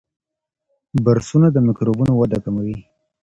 برسونه د میکروبونو وده کموي.